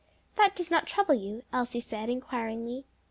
"That does not trouble you?" Elsie said, inquiringly.